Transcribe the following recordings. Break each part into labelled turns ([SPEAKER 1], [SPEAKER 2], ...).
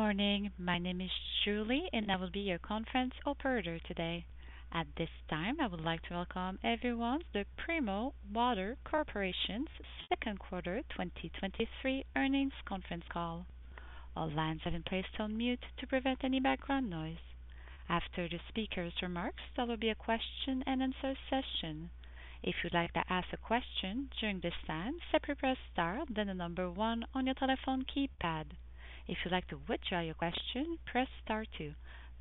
[SPEAKER 1] Good morning. My name is Julie, and I will be your conference operator today. At this time, I would like to welcome everyone to the Primo Water Corporation's second quarter 2023 earnings conference call. All lines have been placed on mute to prevent any background noise. After the speaker's remarks, there will be a question-and-answer session. If you'd like to ask a question during this time, simply "press star, then the number one" on your telephone keypad. If you'd like to withdraw your question, "press star two".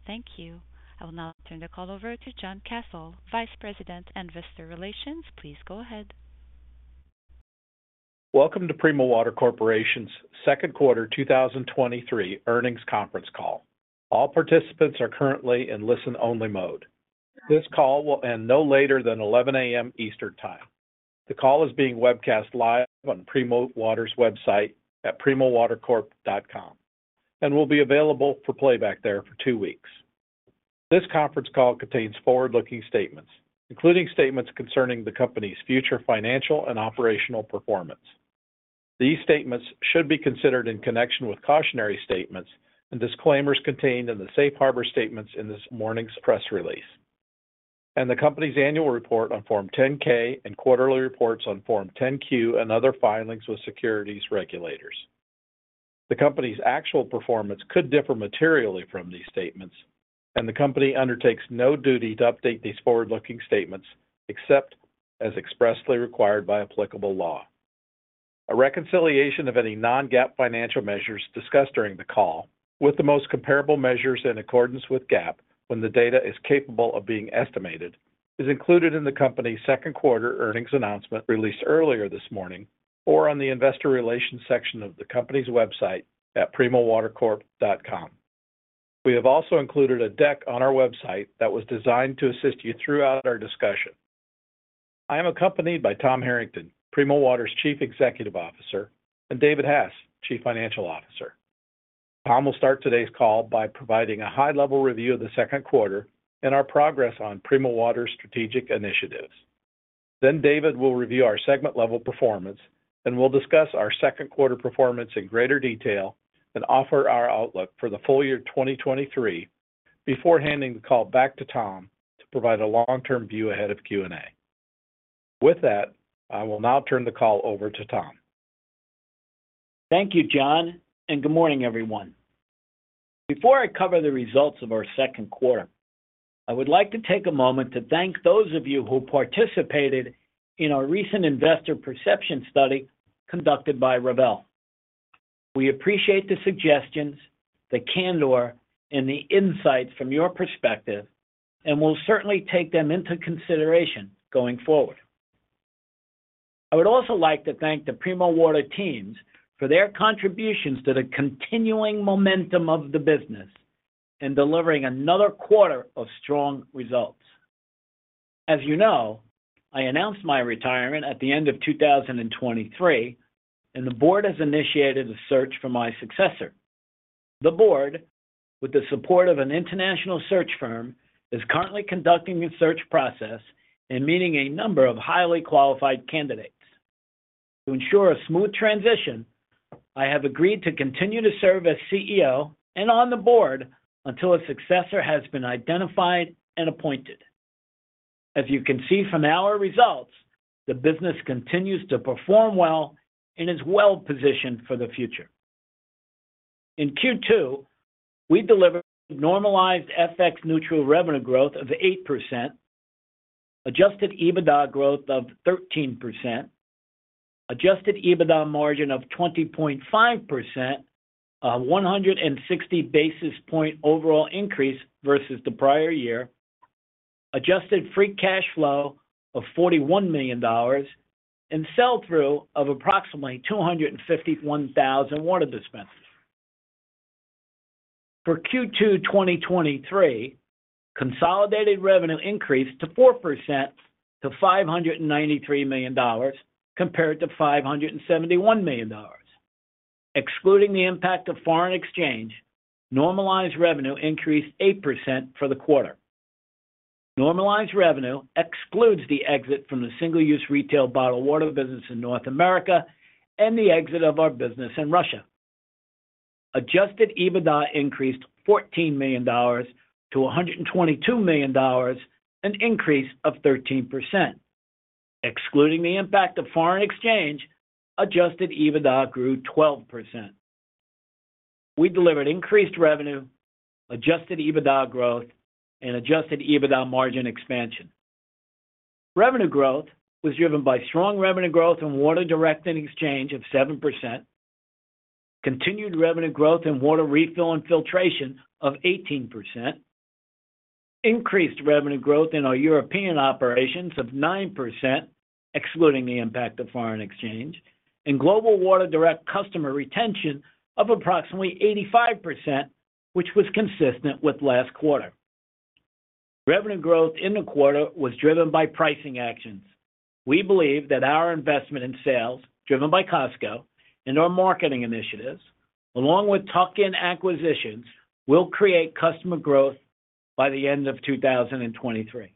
[SPEAKER 1] Thank you. I will now turn the call over to Jon Kathol, Vice President, Investor Relations. Please go ahead.
[SPEAKER 2] Welcome to Primo Water Corporation's second quarter 2023 earnings conference call. All participants are currently in listen-only mode. This call will end no later than 11:00 A.M. Eastern Time. The call is being webcast live on Primo Water's website at primowatercorp.com and will be available for playback there for two weeks. This conference call contains forward-looking statements, including statements concerning the company's future financial and operational performance. These statements should be considered in connection with cautionary statements and disclaimers contained in the safe harbor statements in this morning's press release and the company's annual report on Form 10-K and quarterly reports on Form 10-Q and other filings with securities regulators. The company's actual performance could differ materially from these statements, and the company undertakes no duty to update these forward-looking statements except as expressly required by applicable law. A reconciliation of any non-GAAP financial measures discussed during the call with the most comparable measures in accordance with GAAP, when the data is capable of being estimated, is included in the company's second quarter earnings announcement released earlier this morning, or on the investor relations section of the company's website at primowatercorp.com. We have also included a deck on our website that was designed to assist you throughout our discussion. I am accompanied by Tom Harrington, Primo Water's Chief Executive Officer, and David Hass, Chief Financial Officer. Tom will start today's call by providing a high-level review of the second quarter and our progress on Primo Water's strategic initiatives. David will review our segment-level performance and will discuss our second quarter performance in greater detail and offer our outlook for the full year 2023 before handing the call back to Tom to provide a long-term view ahead of Q&A. With that, I will now turn the call over to Tom.
[SPEAKER 3] Thank you, Jon. Good morning, everyone. Before I cover the results of our second quarter, I would like to take a moment to thank those of you who participated in our recent investor perception study conducted by Rivel. We appreciate the suggestions, the candor, and the insights from your perspective, and we'll certainly take them into consideration going forward. I would also like to thank the Primo Water teams for their contributions to the continuing momentum of the business in delivering another quarter of strong results. As you know, I announced my retirement at the end of 2023, and the board has initiated a search for my successor. The board, with the support of an international search firm, is currently conducting a search process and meeting a number of highly qualified candidates. To ensure a smooth transition, I have agreed to continue to serve as CEO and on the board until a successor has been identified and appointed. As you can see from our results, the business continues to perform well and is well-positioned for the future. In Q2, we delivered normalized FX neutral revenue growth of 8%, adjusted EBITDA growth of 13%, adjusted EBITDA margin of 20.5%, a 160 basis point overall increase versus the prior year, adjusted free cash flow of $41 million, and sell-through of approximately 251,000 water dispensers. For Q2, 2023, consolidated revenue increased to 4% to $593 million, compared to $571 million. Excluding the impact of foreign exchange, normalized revenue increased 8% for the quarter. Normalized revenue excludes the exit from the single-use retail bottled water business in North America and the exit of our business in Russia. Adjusted EBITDA increased $14 million to $122 million, an increase of 13%. Excluding the impact of foreign exchange, adjusted EBITDA grew 12%. We delivered increased revenue, adjusted EBITDA growth, and adjusted EBITDA margin expansion. Revenue growth was driven by strong revenue growth in Water Direct and exchange of 7%, continued revenue growth in water refill and filtration of 18%, increased revenue growth in our European operations of 9%, excluding the impact of foreign exchange, and global Water Direct customer retention of approximately 85%, which was consistent with last quarter. Revenue growth in the quarter was driven by pricing actions. We believe that our investment in sales, driven by Costco and our marketing initiatives, along with tuck-in acquisitions, will create customer growth by the end of 2023.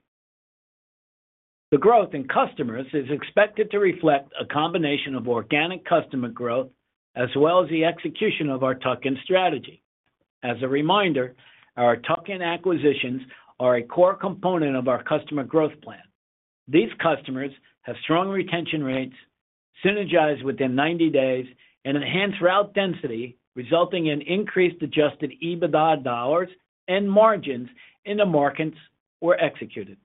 [SPEAKER 3] The growth in customers is expected to reflect a combination of organic customer growth as well as the execution of our tuck-in strategy. As a reminder, our tuck-in acquisitions are a core component of our customer growth plan. These customers have strong retention rates, synergize within 90 days, and enhance route density, resulting in increased adjusted EBITDA dollars and margins in the markets were executed.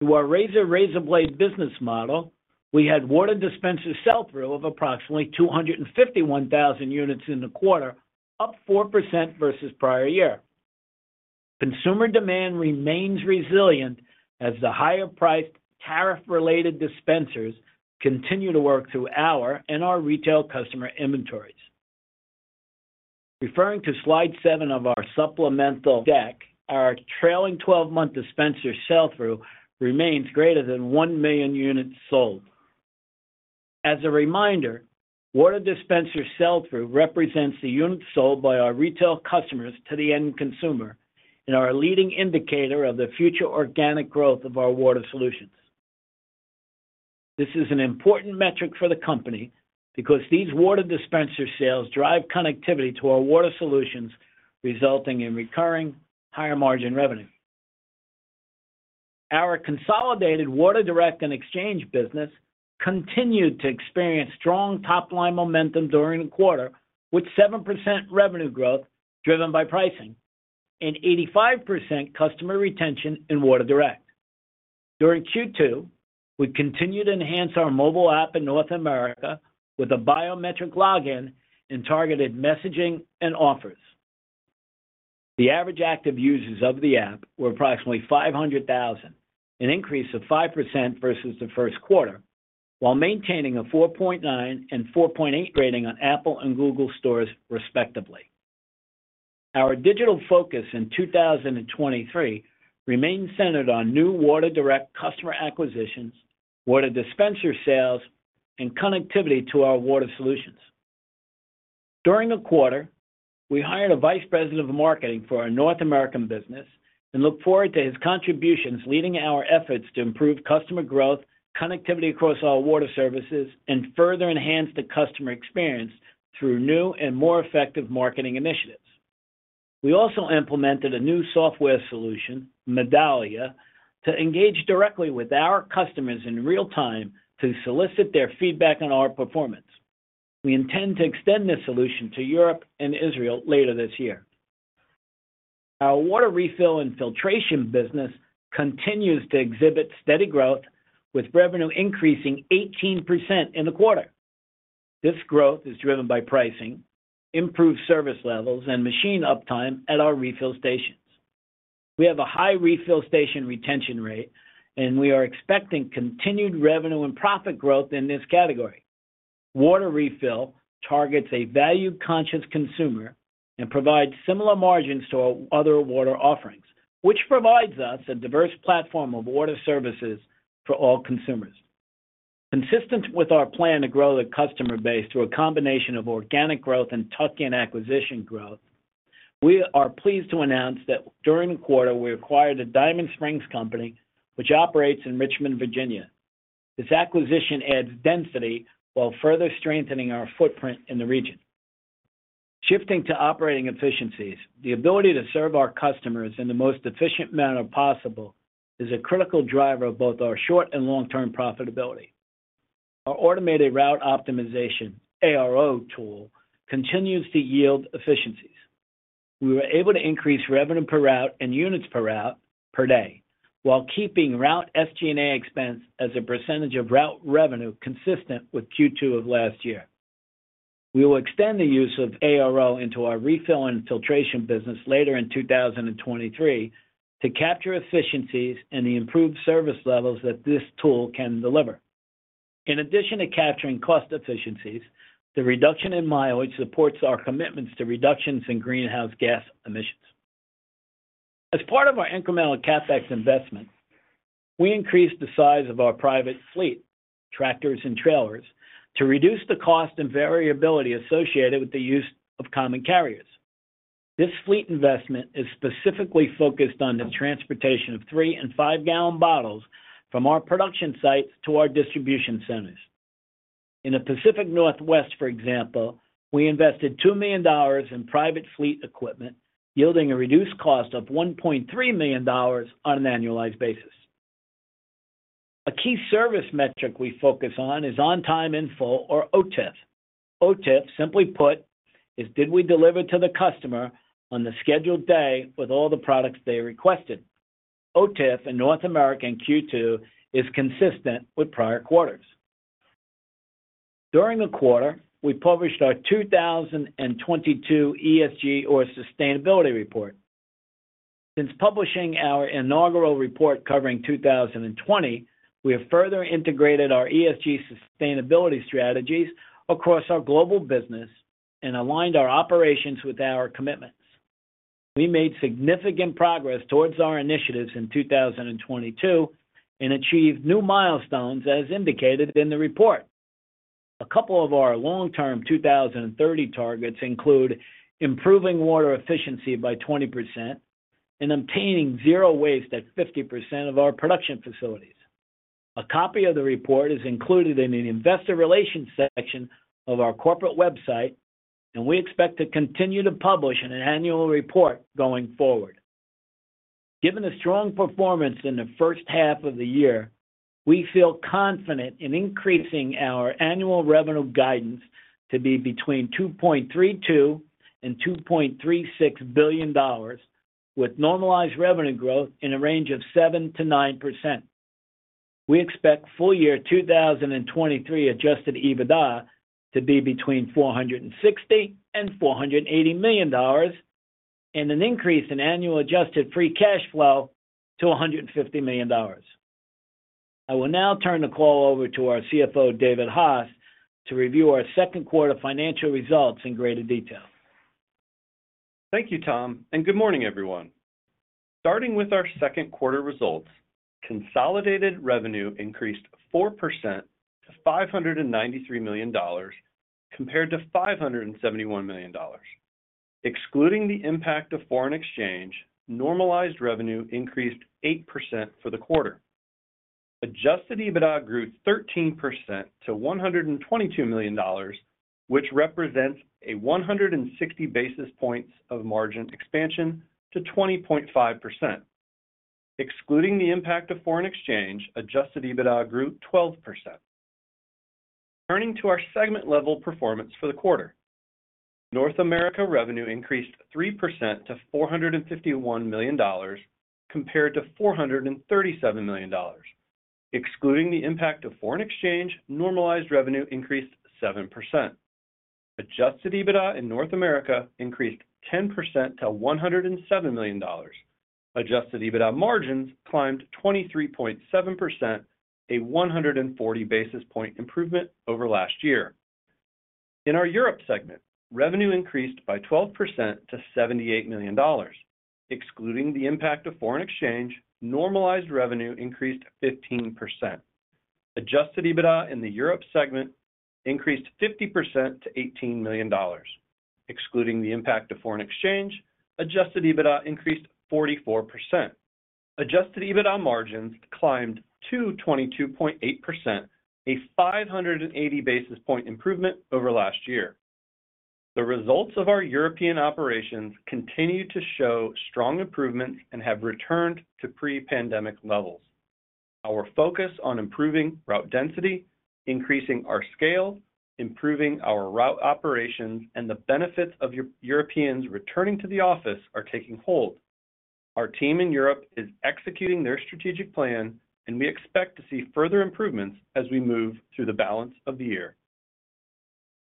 [SPEAKER 3] Through our razor-razorblade business model, we had water dispenser sell-through of approximately 251,000 units in the quarter, up 4% versus prior year. Consumer demand remains resilient as the higher-priced tariff-related dispensers continue to work through our and our retail customer inventories. Referring to slide seven of our supplemental deck, our trailing 12-month dispenser sell-through remains greater than 1 million units sold. As a reminder, water dispenser sell-through represents the units sold by our retail customers to the end consumer and are a leading indicator of the future organic growth of our water solutions. This is an important metric for the company because these water dispenser sales drive connectivity to our water solutions, resulting in recurring higher-margin revenue. Our consolidated Water Direct and Water Exchange business continued to experience strong top-line momentum during the quarter, with 7% revenue growth driven by pricing and 85% customer retention in Water Direct. During Q2, we continued to enhance our mobile app in North America with a biometric login and targeted messaging and offers. The average active users of the app were approximately 500,000, an increase of 5% versus the first quarter, while maintaining a 4.9 and 4.8 rating on Apple and Google stores, respectively. Our digital focus in 2023 remains centered on new Water Direct customer acquisitions, water dispenser sales, and connectivity to our water solutions. During the quarter, we hired a vice president of marketing for our North American business and look forward to his contributions, leading our efforts to improve customer growth, connectivity across all water services, and further enhance the customer experience through new and more effective marketing initiatives. We also implemented a new software solution, Medallia, to engage directly with our customers in real time to solicit their feedback on our performance. We intend to extend this solution to Europe and Israel later this year. Our water refill and filtration business continues to exhibit steady growth, with revenue increasing 18% in the quarter. This growth is driven by pricing, improved service levels, and machine uptime at our refill stations. We have a high refill station retention rate, and we are expecting continued revenue and profit growth in this category. Water refill targets a value-conscious consumer and provides similar margins to our other water offerings, which provides us a diverse platform of water services for all consumers. Consistent with our plan to grow the customer base through a combination of organic growth and tuck-in acquisition growth, we are pleased to announce that during the quarter, we acquired the Diamond Springs Company, which operates in Richmond, Virginia. This acquisition adds density while further strengthening our footprint in the region. Shifting to operating efficiencies, the ability to serve our customers in the most efficient manner possible is a critical driver of both our short- and long-term profitability. Our automated route optimization, ARO tool, continues to yield efficiencies. We were able to increase revenue per route and units per route per day while keeping route SG&A expense as a percentage of route revenue consistent with Q2 of last year. We will extend the use of ARO into our refill and filtration business later in 2023 to capture efficiencies and the improved service levels that this tool can deliver. In addition to capturing cost efficiencies, the reduction in mileage supports our commitments to reductions in greenhouse gas emissions. As part of our incremental CapEx investment, we increased the size of our private fleet, tractors and trailers, to reduce the cost and variability associated with the use of common carriers. This fleet investment is specifically focused on the transportation of three- and five-gallon bottles from our production sites to our distribution centers. In the Pacific Northwest, for example, we invested $2 million in private fleet equipment, yielding a reduced cost of $1.3 million on an annualized basis. A key service metric we focus on is on-time in-full, or OTIF. OTIF, simply put, is did we deliver to the customer on the scheduled day with all the products they requested? OTIF in North America in Q2 is consistent with prior quarters. During the quarter, we published our 2022 ESG, or sustainability report. Since publishing our inaugural report covering 2020, we have further integrated our ESG sustainability strategies across our global business and aligned our operations with our commitments. We made significant progress towards our initiatives in 2022 and achieved new milestones as indicated in the report. A couple of our long-term 2030 targets include improving water efficiency by 20% and obtaining zero waste at 50% of our production facilities. A copy of the report is included in the Investor Relations section of our corporate website, and we expect to continue to publish an annual report going forward. Given the strong performance in the first half of the year, we feel confident in increasing our annual revenue guidance to be between $2.32 billion and $2.36 billion, with normalized revenue growth in a range of 7%-9%. We expect full year 2023 adjusted EBITDA to be between $460 million and $480 million, and an increase in annual adjusted free cash flow to $150 million. I will now turn the call over to our CFO, David Hass, to review our second quarter financial results in greater detail.
[SPEAKER 4] Thank you, Tom. Good morning, everyone. Starting with our second quarter results, consolidated revenue increased 4% to $593 million, compared to $571 million. Excluding the impact of foreign exchange, normalized revenue increased 8% for the quarter. Adjusted EBITDA grew 13% to $122 million, which represents a 160 basis points of margin expansion to 20.5%. Excluding the impact of foreign exchange, adjusted EBITDA grew 12%. Turning to our segment-level performance for the quarter. North America revenue increased 3% to $451 million, compared to $437 million. Excluding the impact of foreign exchange, normalized revenue increased 7%. Adjusted EBITDA in North America increased 10% to $107 million. Adjusted EBITDA margins climbed 23.7%, a 140 basis point improvement over last year. In our Europe segment, revenue increased by 12% to $78 million. Excluding the impact of foreign exchange, normalized revenue increased 15%. Adjusted EBITDA in the Europe segment increased 50% to $18 million. Excluding the impact of foreign exchange, adjusted EBITDA increased 44%. Adjusted EBITDA margins climbed to 22.8%, a 580 basis point improvement over last year. The results of our European operations continue to show strong improvement and have returned to pre-pandemic levels. Our focus on improving route density, increasing our scale, improving our route operations, and the benefits of Europeans returning to the office are taking hold. Our team in Europe is executing their strategic plan, and we expect to see further improvements as we move through the balance of the year.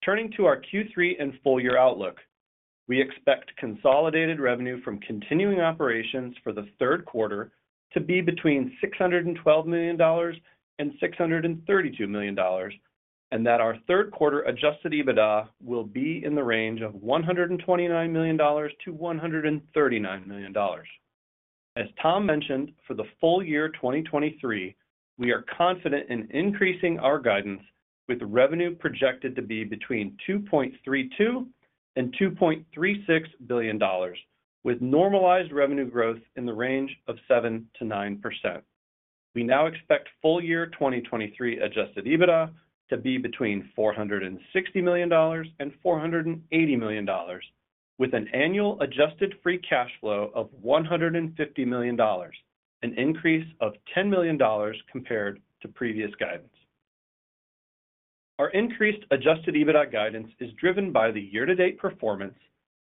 [SPEAKER 4] Turning to our Q3 and full year outlook, we expect consolidated revenue from continuing operations for the third quarter to be between $612 million and $632 million, and that our third quarter adjusted EBITDA will be in the range of $129 million to $139 million. As Tom mentioned, for the full year 2023, we are confident in increasing our guidance, with revenue projected to be between $2.32 billion and $2.36 billion, with normalized revenue growth in the range of 7%-9%. We now expect full year 2023 adjusted EBITDA to be between $460 million and $480 million, with an annual adjusted free cash flow of $150 million, an increase of $10 million compared to previous guidance. Our increased adjusted EBITDA guidance is driven by the year-to-date performance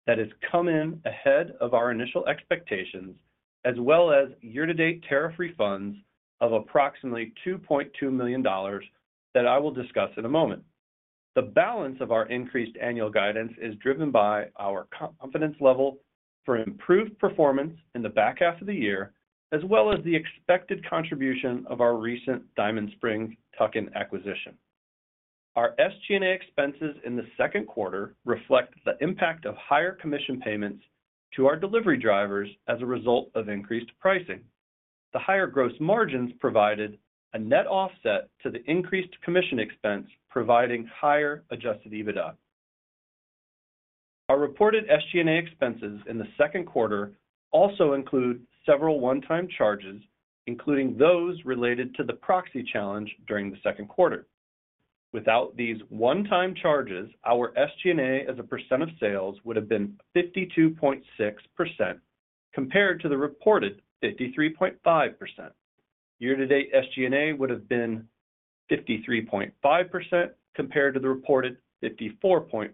[SPEAKER 4] that has come in ahead of our initial expectations, as well as year-to-date tariff refunds of approximately $2.2 million that I will discuss in a moment. The balance of our increased annual guidance is driven by our confidence level for improved performance in the back half of the year, as well as the expected contribution of our recent Diamond Springs tuck-in acquisition. Our SG&A expenses in the second quarter reflect the impact of higher commission payments to our delivery drivers as a result of increased pricing. The higher gross margins provided a net offset to the increased commission expense, providing higher adjusted EBITDA. Our reported SG&A expenses in the second quarter also include several one-time charges, including those related to the proxy challenge during the second quarter. Without these one-time charges, our SG&A as a % of sales would have been 52.6% compared to the reported 53.5%. Year-to-date SG&A would have been 53.5% compared to the reported 54.5%.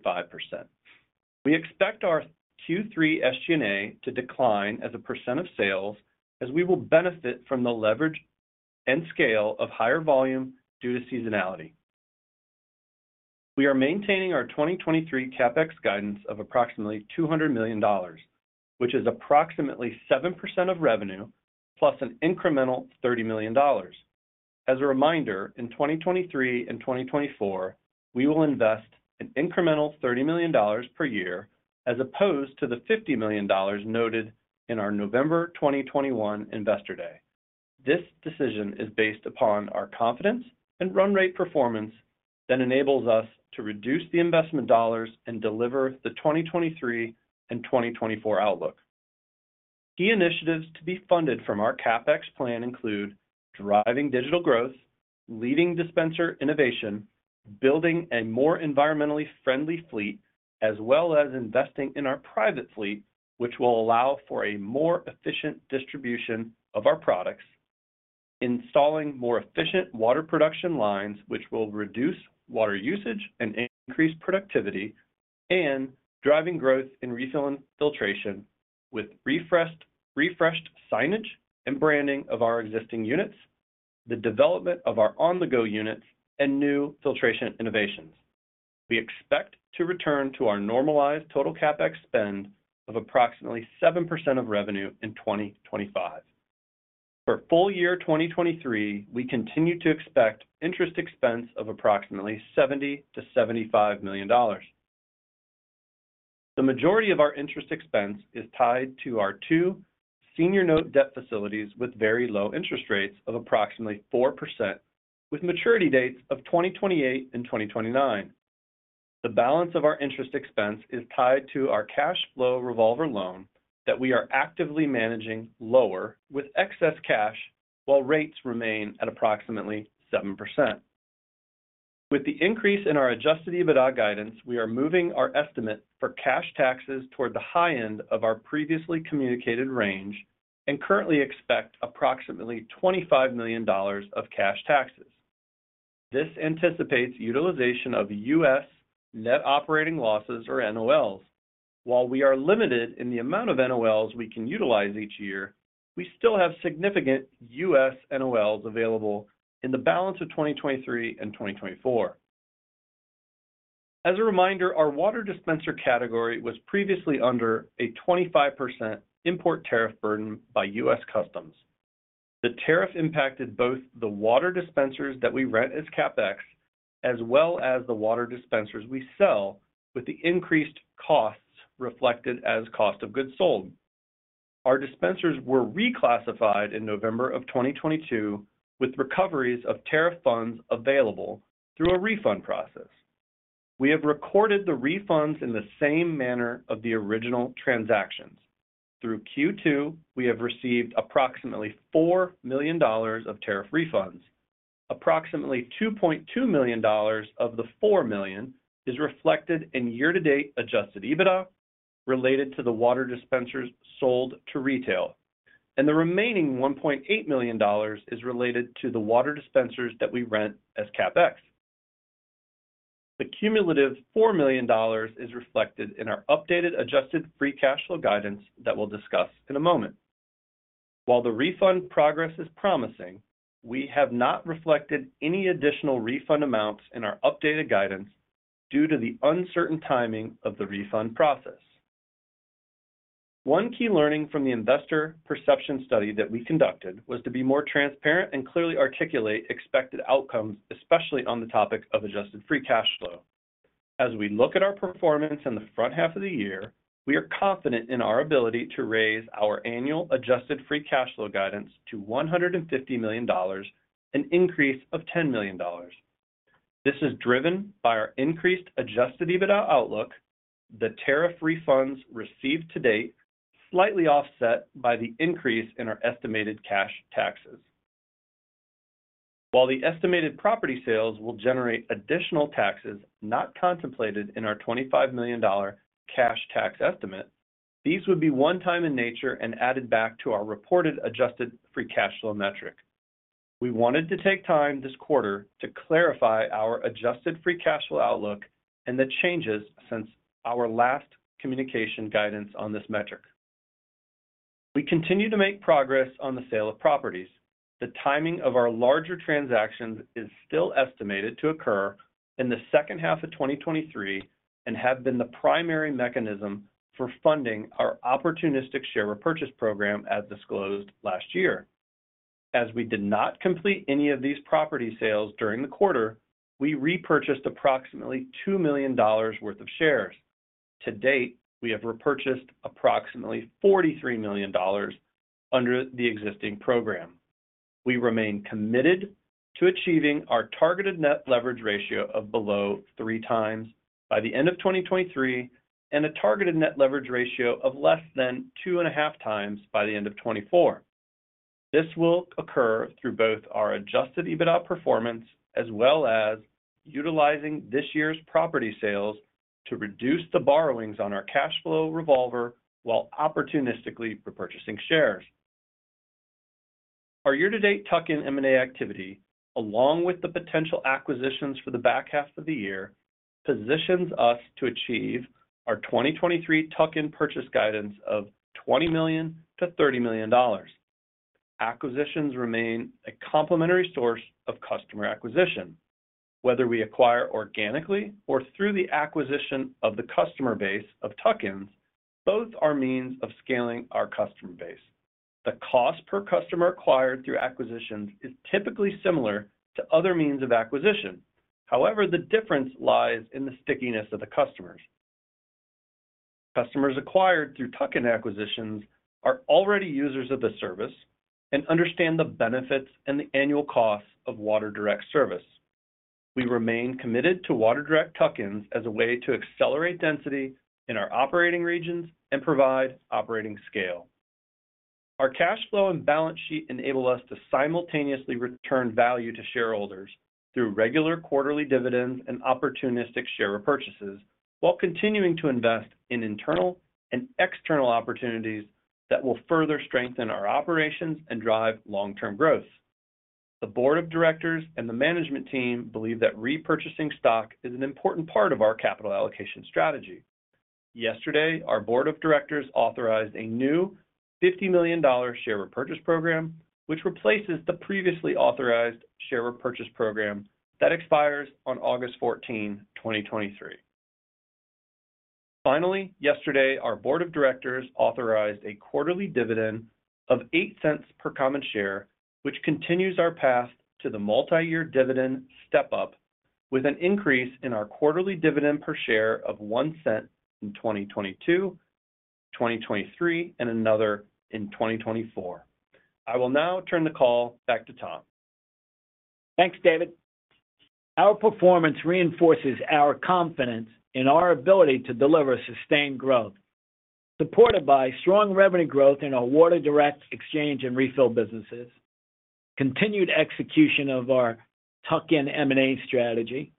[SPEAKER 4] We expect our Q3 SG&A to decline as a % of sales, as we will benefit from the leverage and scale of higher volume due to seasonality. We are maintaining our 2023 CapEx guidance of approximately $200 million, which is approximately 7% of revenue, plus an incremental $30 million. As a reminder, in 2023 and 2024, we will invest an incremental $30 million per year as opposed to the $50 million noted in our November 2021 Investor Day. This decision is based upon our confidence and run rate performance that enables us to reduce the investment dollars and deliver the 2023 and 2024 outlook. Key initiatives to be funded from our CapEx plan include driving digital growth, leading dispenser innovation, building a more environmentally friendly fleet, as well as investing in our private fleet, which will allow for a more efficient distribution of our products, installing more efficient water production lines, which will reduce water usage and increase productivity, and driving growth in refill and filtration with refreshed signage and branding of our existing units, the development of our on-the-go units, and new filtration innovations. We expect to return to our normalized total CapEx spend of approximately 7% of revenue in 2025. For full year 2023, we continue to expect interest expense of approximately $70 million-$75 million. The majority of our interest expense is tied to our two senior note debt facilities, with very low interest rates of approximately 4%, with maturity dates of 2028 and 2029. The balance of our interest expense is tied to our cash flow revolver loan that we are actively managing lower with excess cash, while rates remain at approximately 7%. With the increase in our adjusted EBITDA guidance, we are moving our estimate for cash taxes toward the high end of our previously communicated range and currently expect approximately $25 million of cash taxes. This anticipates utilization of U.S. net operating losses, or NOLs. While we are limited in the amount of NOLs we can utilize each year, we still have significant U.S. NOLs available in the balance of 2023 and 2024. As a reminder, our water dispenser category was previously under a 25% import tariff burden by U.S. Customs. The tariff impacted both the water dispensers that we rent as CapEx, as well as the water dispensers we sell, with the increased costs reflected as cost of goods sold. Our dispensers were reclassified in November of 2022, with recoveries of tariff funds available through a refund process. We have recorded the refunds in the same manner of the original transactions. Through Q2, we have received approximately $4 million of tariff refunds. Approximately $2.2 million of the $4 million is reflected in year-to-date adjusted EBITDA, related to the water dispensers sold to retail, the remaining $1.8 million is related to the water dispensers that we rent as CapEx. The cumulative $4 million is reflected in our updated adjusted free cash flow guidance that we'll discuss in a moment. While the refund progress is promising, we have not reflected any additional refund amounts in our updated guidance due to the uncertain timing of the refund process. One key learning from the investor perception study that we conducted was to be more transparent and clearly articulate expected outcomes, especially on the topic of adjusted free cash flow. As we look at our performance in the front half of the year, we are confident in our ability to raise our annual adjusted free cash flow guidance to $150 million, an increase of $10 million. This is driven by our increased adjusted EBITDA outlook, the tariff refunds received to date, slightly offset by the increase in our estimated cash taxes. While the estimated property sales will generate additional taxes not contemplated in our $25 million cash tax estimate, these would be one-time in nature and added back to our reported adjusted free cash flow metric. We wanted to take time this quarter to clarify our adjusted free cash flow outlook and the changes since our last communication guidance on this metric. We continue to make progress on the sale of properties. The timing of our larger transactions is still estimated to occur in the second half of 2023 and have been the primary mechanism for funding our opportunistic share repurchase program, as disclosed last year. We did not complete any of these property sales during the quarter, we repurchased approximately $2 million worth of shares. To date, we have repurchased approximately $43 million under the existing program. We remain committed to achieving our targeted net leverage ratio of below 3 times by the end of 2023 and a targeted net leverage ratio of less than 2.5 time by the end of 2024. This will occur through both our adjusted EBITDA performance, as well as utilizing this year's property sales to reduce the borrowings on our cash flow revolver while opportunistically repurchasing shares. Our year-to-date tuck-in M&A activity, along with the potential acquisitions for the back half of the year, positions us to achieve our 2023 tuck-in purchase guidance of $20 million-$30 million. Acquisitions remain a complementary source of customer acquisition. Whether we acquire organically or through the acquisition of the customer base of tuck-ins, both are means of scaling our customer base. The cost per customer acquired through acquisitions is typically similar to other means of acquisition. However, the difference lies in the stickiness of the customers. Customers acquired through tuck-in acquisitions are already users of the service and understand the benefits and the annual costs of Water Direct service. We remain committed to Water Direct tuck-ins as a way to accelerate density in our operating regions and provide operating scale. Our cash flow and balance sheet enable us to simultaneously return value to shareholders through regular quarterly dividends and opportunistic share repurchases, while continuing to invest in internal and external opportunities that will further strengthen our operations and drive long-term growth. The board of directors and the management team believe that repurchasing stock is an important part of our capital allocation strategy. Yesterday, our board of directors authorized a new $50 million share repurchase program, which replaces the previously authorized share repurchase program that expires on August 14, 2023. Finally, yesterday, our board of directors authorized a quarterly dividend of $0.08 per common share, which continues our path to the multiyear dividend step-up, with an increase in our quarterly dividend per share of $0.01 in 2022, 2023, and another in 2024. I will now turn the call back to Tom.
[SPEAKER 3] Thanks, David. Our performance reinforces our confidence in our ability to deliver sustained growth, supported by strong revenue growth in our Water Direct exchange and refill businesses, continued execution of our tuck-in M&A strategy,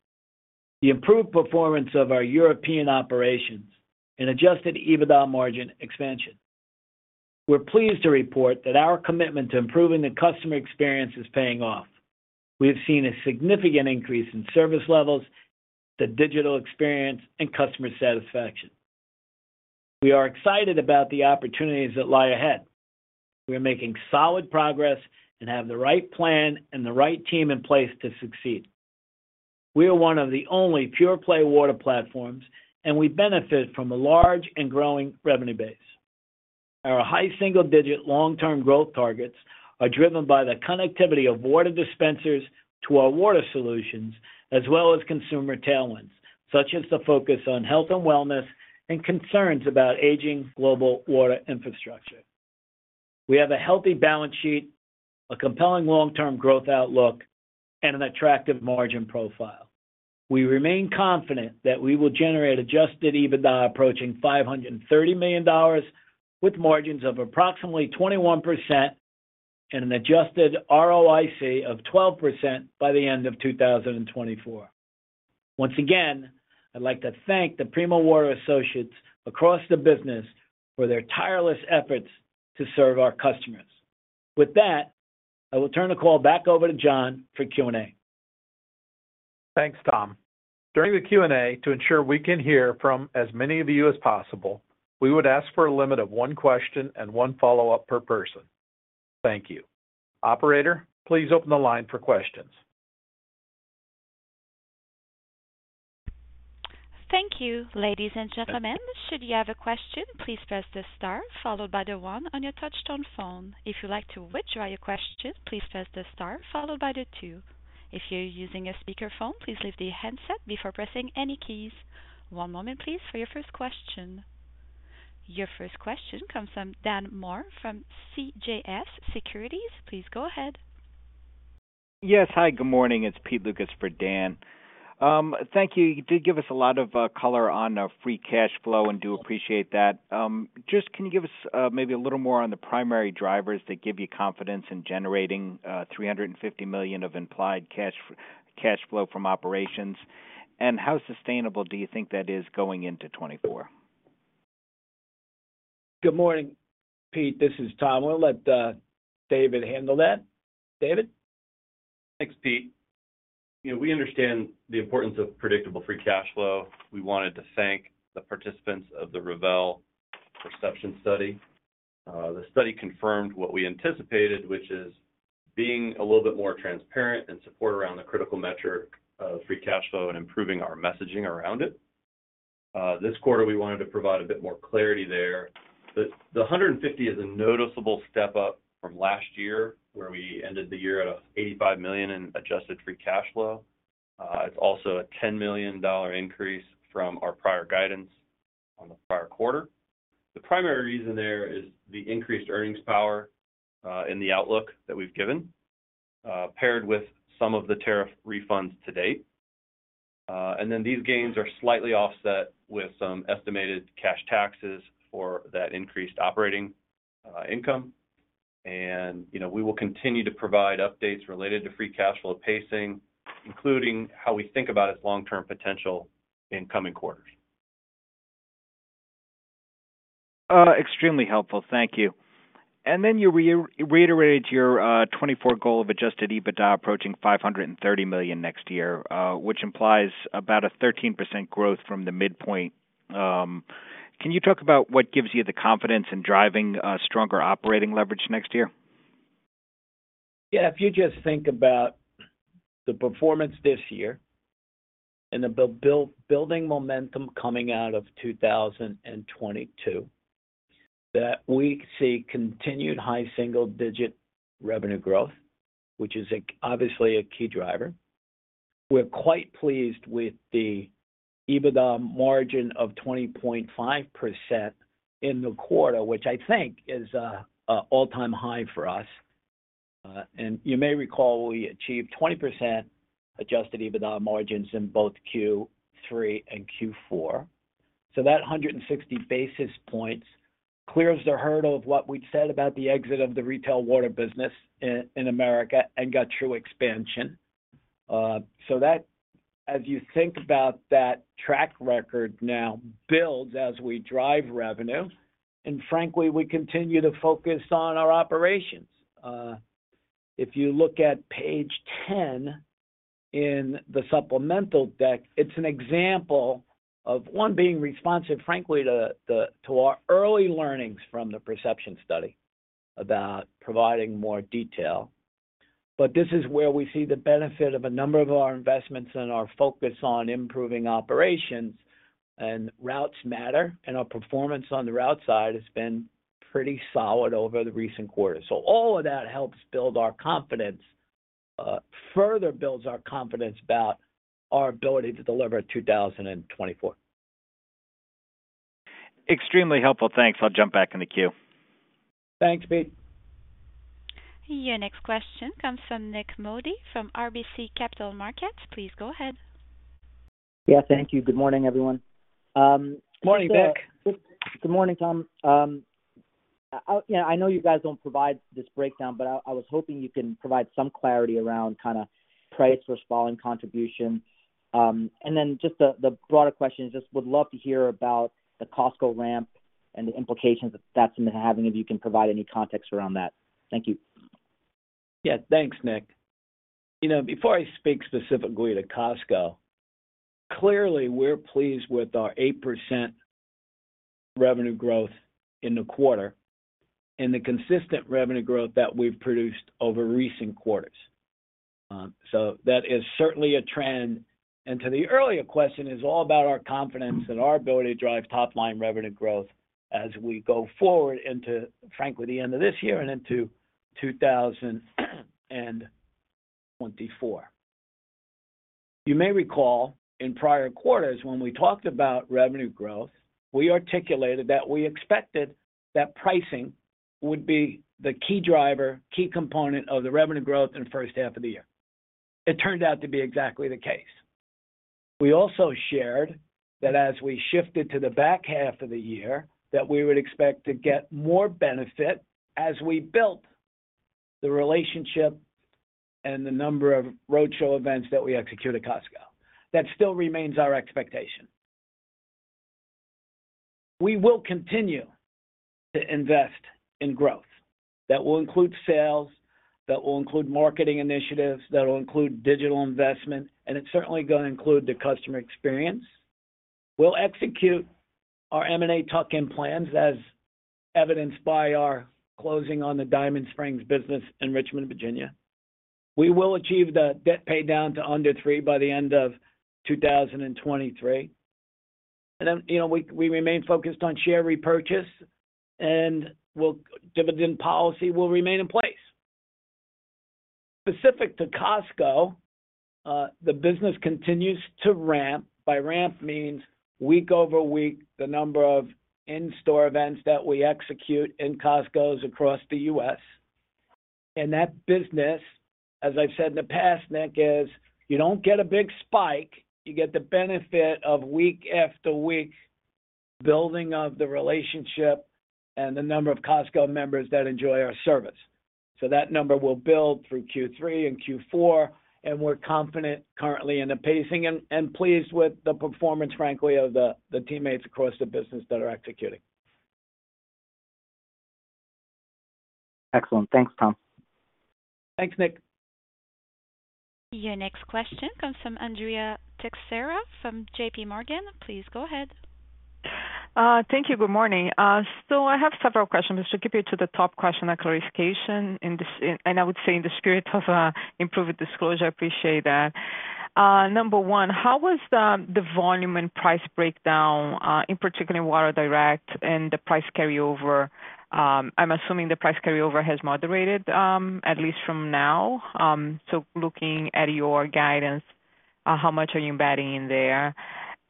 [SPEAKER 3] the improved performance of our European operations, and adjusted EBITDA margin expansion. We're pleased to report that our commitment to improving the customer experience is paying off. We have seen a significant increase in service levels, the digital experience, and customer satisfaction. We are excited about the opportunities that lie ahead. We are making solid progress and have the right plan and the right team in place to succeed. We are one of the only pure-play water platforms, and we benefit from a large and growing revenue base. Our high single-digit long-term growth targets are driven by the connectivity of water dispensers to our water solutions, as well as consumer tailwinds, such as the focus on health and wellness and concerns about aging global water infrastructure. We have a healthy balance sheet, a compelling long-term growth outlook, and an attractive margin profile. We remain confident that we will generate adjusted EBITDA approaching $530 million, with margins of approximately 21% and an adjusted ROIC of 12% by the end of 2024. Once again, I'd like to thank the Primo Water associates across the business for their tireless efforts to serve our customers. With that, I will turn the call back over to Jon for Q&A.
[SPEAKER 2] Thanks, Tom. During the Q&A, to ensure we can hear from as many of you as possible, we would ask for a limit of one question and one follow-up per person. Thank you. Operator, please open the line for questions.
[SPEAKER 1] Thank you, ladies and gentlemen. Should you have a question, please press the star followed by the 1 on your touchtone phone. If you'd like to withdraw your question, "please press the star followed by the two". If you're using a speakerphone, please lift the handset before pressing any keys. One moment please, for your first question. Your first question comes from Daniel Moore from CJS Securities. Please go ahead.
[SPEAKER 5] Yes. Hi, good morning. It's Pete Lucas for Dan. Thank you. You did give us a lot of color on free cash flow, and do appreciate that. Just, can you give us maybe a little more on the primary drivers that give you confidence in generating $350 million of implied cash flow from operations? How sustainable do you think that is going into 2024?
[SPEAKER 3] Good morning, Pete. This is Tom. I'm going to let David handle that. David?
[SPEAKER 4] Thanks, Pete. You know, we understand the importance of predictable free cash flow. We wanted to thank the participants of the Rivel perception study. The study confirmed what we anticipated, which is being a little bit more transparent and support around the critical metric of free cash flow and improving our messaging around it. This quarter, we wanted to provide a bit more clarity there. The $150 is a noticeable step up from last year, where we ended the year at $85 million in adjusted free cash flow. It's also a $10 million increase from our prior guidance on the prior quarter. The primary reason there is the increased earnings power in the outlook that we've given, paired with some of the tariff refunds to date. Then these gains are slightly offset with some estimated cash taxes for that increased operating income. You know, we will continue to provide updates related to free cash flow pacing, including how we think about its long-term potential in coming quarters.
[SPEAKER 5] Extremely helpful. Thank you. You re-reiterated your 2024 goal of adjusted EBITDA approaching $530 million next year, which implies about a 13% growth from the midpoint. Can you talk about what gives you the confidence in driving stronger operating leverage next year?
[SPEAKER 3] Yeah. If you just think about the performance this year and the building momentum coming out of 2022. That we see continued high single-digit revenue growth, which is obviously a key driver. We're quite pleased with the EBITDA margin of 20.5% in the quarter, which I think is a all-time high for us. And you may recall we achieved 20% adjusted EBITDA margins in both Q3 and Q4. That 160 basis points clears the hurdle of what we'd said about the exit of the retail water business in America and got true expansion. That, as you think about that track record now builds as we drive revenue, and frankly, we continue to focus on our operations. If you look at page 10 in the supplemental deck, it's an example of, one, being responsive, frankly, to the, to our early learnings from the perception study about providing more detail. This is where we see the benefit of a number of our investments and our focus on improving operations and routes matter, and our performance on the route side has been pretty solid over the recent quarters. All of that helps build our confidence, further builds our confidence about our ability to deliver in 2024.
[SPEAKER 5] Extremely helpful. Thanks. I'll jump back in the queue.
[SPEAKER 3] Thanks, Pete.
[SPEAKER 1] Your next question comes from Nik Modi from RBC Capital Markets. Please go ahead.
[SPEAKER 6] Yeah, thank you. Good morning, everyone.
[SPEAKER 3] Good morning, Nik.
[SPEAKER 6] Good morning, Tom. You know, I know you guys don't provide this breakdown, but I was hoping you can provide some clarity around kind of price versus volume contribution. Then just the broader question is, just would love to hear about the Costco ramp and the implications that's been having, if you can provide any context around that. Thank you.
[SPEAKER 3] Yeah, thanks, Nik. You know, before I speak specifically to Costco, clearly we're pleased with our 8% revenue growth in the quarter and the consistent revenue growth that we've produced over recent quarters. That is certainly a trend, and to the earlier question, is all about our confidence in our ability to drive top-line revenue growth as we go forward into, frankly, the end of this year and into 2024. You may recall in prior quarters, when we talked about revenue growth, we articulated that we expected that pricing would be the key driver, key component of the revenue growth in the first half of the year. It turned out to be exactly the case. We also shared that as we shifted to the back half of the year, that we would expect to get more benefit as we built the relationship and the number of roadshow events that we execute at Costco. That still remains our expectation. We will continue to invest in growth. That will include sales, that will include marketing initiatives, that will include digital investment, and it's certainly going to include the customer experience. We'll execute our M&A tuck-in plans, as evidenced by our closing on the Diamond Springs business in Richmond, Virginia. We will achieve the debt paydown to under 3 by the end of 2023. Then, you know, we, we remain focused on share repurchase and dividend policy will remain in place. Specific to Costco, the business continues to ramp. By ramp, means week over week, the number of in-store events that we execute in Costcos across the U.S. That business, as I've said in the past, Nick, is you don't get a big spike, you get the benefit of week after week building of the relationship and the number of Costco members that enjoy our service. That number will build through Q3 and Q4, and we're confident currently in the pacing and, and pleased with the performance, frankly, of the, the teammates across the business that are executing.
[SPEAKER 6] Excellent. Thanks, Tom.
[SPEAKER 3] Thanks, Nik.
[SPEAKER 1] Your next question comes from Andrea Teixeira from J.P. Morgan. Please go ahead.
[SPEAKER 7] Thank you. Good morning. I have several questions, just to keep it to the top question, a clarification in this, and I would say in the spirit of improved disclosure, I appreciate that. Number one, how was the volume and price breakdown in particular in Water Direct and the price carryover? I'm assuming the price carryover has moderated at least from now. Looking at your guidance, how much are you embedding in there?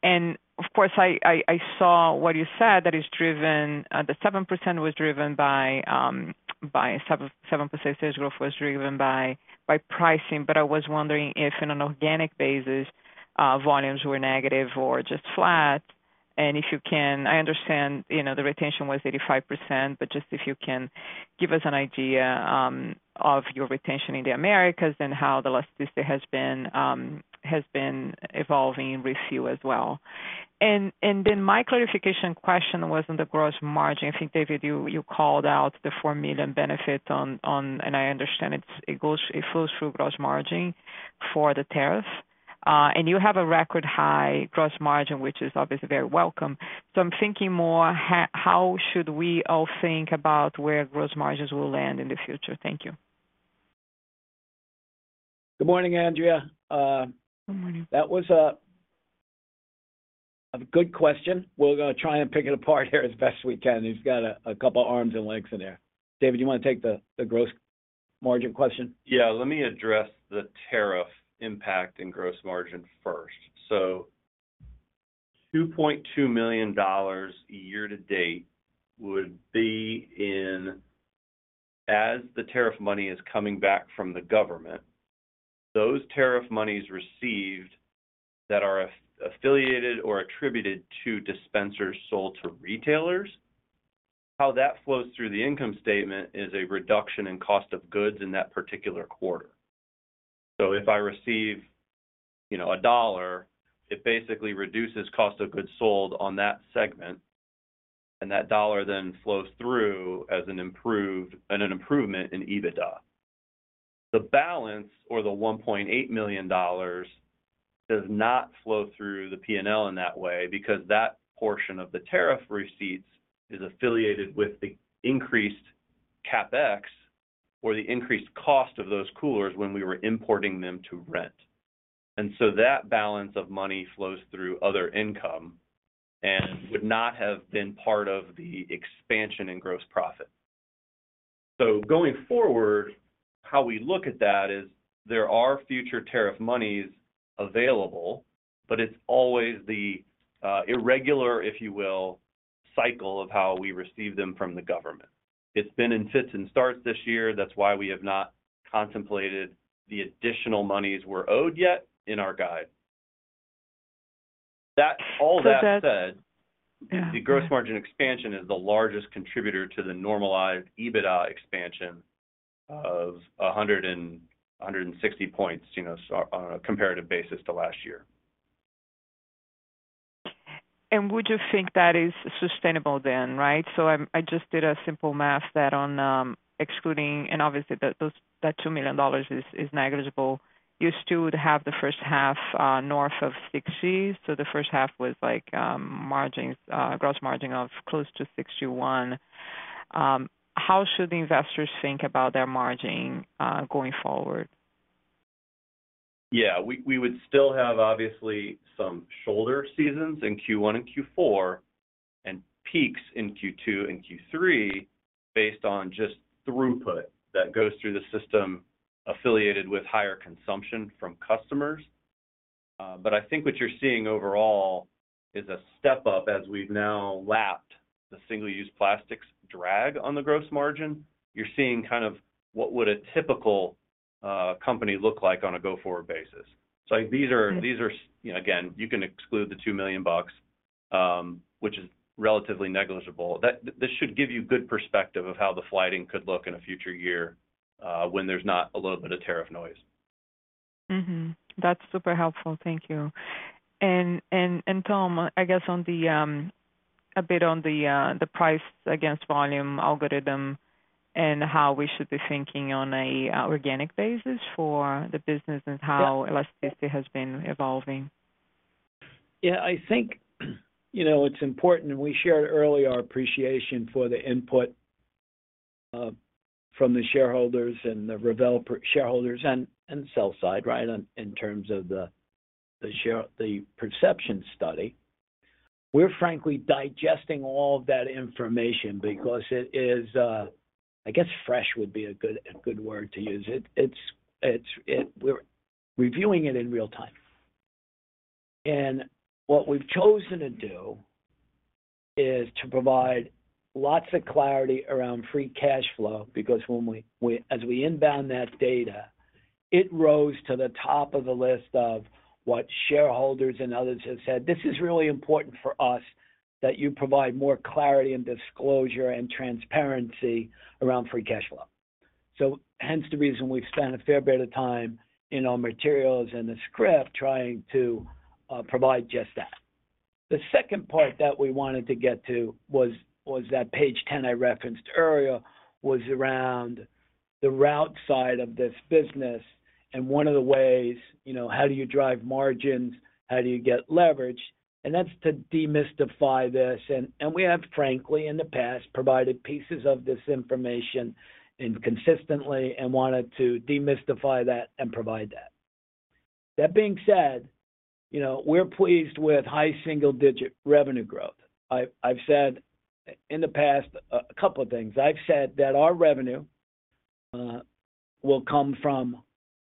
[SPEAKER 7] Of course, I, I, I saw what you said, that it's driven, the 7% was driven by, by 7, 7% sales growth was driven by, by pricing. I was wondering if, in an organic basis, volumes were negative or just flat. If you can, I understand, you know, the retention was 85%, but just if you can give us an idea of your retention in the Americas and how the last Tuesday has been evolving with you as well. My clarification question was on the gross margin. I think, David, you called out the $4 million benefit, and I understand it flows through gross margin for the tariffs. You have a record-high gross margin, which is obviously very welcome. I'm thinking more, how should we all think about where gross margins will land in the future? Thank you.
[SPEAKER 3] Good morning, Andrea.
[SPEAKER 7] Good morning.
[SPEAKER 3] That was a, a good question. We're gonna try and pick it apart here as best as we can. It's got a, a couple arms and legs in there. David, you wanna take the, the gross margin question?
[SPEAKER 4] Yeah, let me address the tariff impact and gross margin first. $2.2 million year-to-date would be in, as the tariff money is coming back from the government, those tariff monies received that are affiliated or attributed to dispensers sold to retailers, how that flows through the income statement is a reduction in cost of goods in that particular quarter. If I receive, you know, $1, it basically reduces Cost of Goods Sold on that segment, and that dollar then flows through as an improved and an improvement in EBITDA. The balance, or the $1.8 million, does not flow through the P&L in that way because that portion of the tariff receipts is affiliated with the increased CapEx or the increased cost of those coolers when we were importing them to rent. That balance of money flows through other income and would not have been part of the expansion in gross profit. Going forward, how we look at that is there are future tariff monies available, but it's always the irregular, if you will, cycle of how we receive them from the government. It's been in fits and starts this year. That's why we have not contemplated the additional monies we're owed yet in our guide.
[SPEAKER 7] So that-
[SPEAKER 4] All that said.
[SPEAKER 7] Yeah
[SPEAKER 4] the gross margin expansion is the largest contributor to the normalized EBITDA expansion of 160 points, you know, so on a comparative basis to last year.
[SPEAKER 7] Would you think that is sustainable then, right? I just did a simple math that on, excluding. Obviously, the those that $2 million is negligible. You still would have the first half, north of 60. The first half was like margins, gross margin of close to 61. How should the investors think about their margin, going forward?
[SPEAKER 4] Yeah, we, we would still have, obviously, some shoulder seasons in Q1 and Q4, and peaks in Q2 and Q3, based on just throughput that goes through the system affiliated with higher consumption from customers. I think what you're seeing overall is a step up as we've now lapped the single-use plastics drag on the gross margin. You're seeing kind of what would a typical company look like on a go-forward basis. These are, these are, you know, again, you can exclude the $2 million, which is relatively negligible. That, this should give you good perspective of how the flighting could look in a future year, when there's not a little bit of tariff noise.
[SPEAKER 7] That's super helpful. Thank you. Tom, I guess on the, a bit on the, the price against volume algorithm and how we should be thinking on a organic basis for the business. and how elasticity has been evolving.
[SPEAKER 3] Yeah, I think, you know, it's important, and we shared earlier our appreciation for the input from the shareholders and the Rivel shareholders and sell side, right? In terms of the perception study. We're frankly digesting all of that information because it is, I guess fresh would be a good, a good word to use it. It's, it's, we're reviewing it in real time. What we've chosen to do is to provide lots of clarity around free cash flow, because when we, we, as we inbound that data, it rose to the top of the list of what shareholders and others have said: "This is really important for us that you provide more clarity and disclosure and transparency around free cash flow." Hence the reason we've spent a fair bit of time in our materials and the script trying to provide just that. The second part that we wanted to get to was that page ten I referenced earlier, was around the route side of this business. One of the ways, you know, how do you drive margins? How do you get leverage? That's to demystify this. We have, frankly, in the past, provided pieces of this information inconsistently and wanted to demystify that and provide that. That being said, you know, we're pleased with high single-digit revenue growth. I've said in the past a couple of things. I've said that our revenue will come from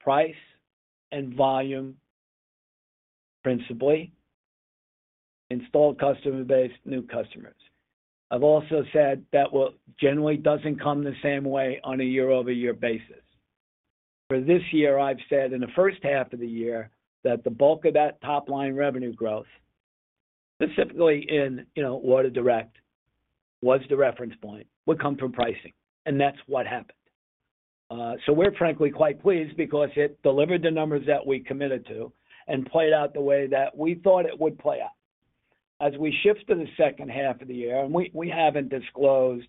[SPEAKER 3] price and volume, principally, installed customer base, new customers. I've also said that will generally doesn't come the same way on a year-over-year basis. For this year, I've said in the first half of the year, that the bulk of that top-line revenue growth, specifically in, you know, Water Direct, was the reference point, would come from pricing, and that's what happened. We're frankly quite pleased because it delivered the numbers that we committed to and played out the way that we thought it would play out. As we shift to the second half of the year, and we, we haven't disclosed,